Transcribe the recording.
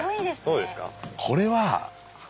そうですか。